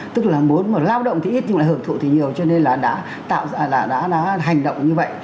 tức là muốn một lao động thì ít nhưng lại hưởng thụ thì nhiều cho nên là đã hành động như vậy